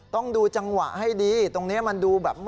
ต้องดูจังหวะให้ดีตรงนี้มันดูแบบ